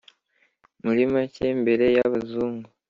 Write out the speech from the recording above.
Muri make, mbere y'Abazungu,